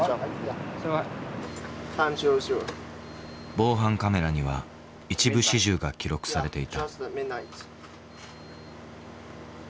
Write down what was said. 防犯カメラには一部始終が記録されていた。